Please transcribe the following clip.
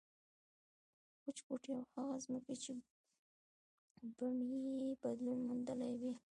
وچ بوټي او هغه ځمکې چې بڼې یې بدلون موندلی وي.